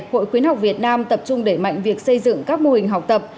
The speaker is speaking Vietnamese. hội khuyến học việt nam tập trung để mạnh việc xây dựng các mô hình học tập